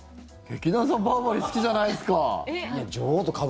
劇団さんバーバリー好きじゃないですか。